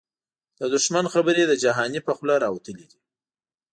د دښمن خبري د جهانی په خوله راوتلی دې